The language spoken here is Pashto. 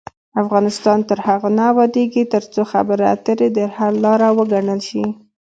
افغانستان تر هغو نه ابادیږي، ترڅو خبرې اترې د حل لار وګڼل شي.